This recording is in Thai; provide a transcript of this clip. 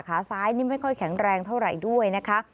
ขาซ้ายนี่ไม่ค่อยแข็งแรงเท่าไหร่ด้วยนะคะ